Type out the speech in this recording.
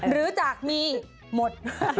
หรือจากมีหมด